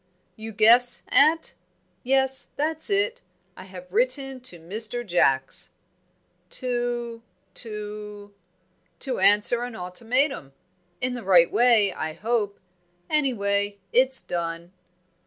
"You guess, aunt? Yes, that's it, I have written to Mr. Jacks." "To to ?" "To answer an ultimatum. In the right way, I hope; any way, it's done."